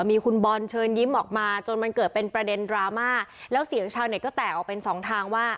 มีคุณบอลเชิญยิ้มออกมาจนมันเกิดเป็นประเด็นดราม่าแล้วเสียงชาวเน็ตก็แตกออกเป็นสองทางว่า